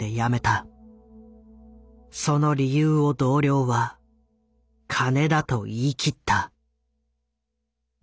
その理由を同僚は「金」だと言い切った。